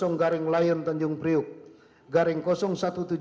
garing layan tanjung priuk garing satu ratus tujuh puluh empat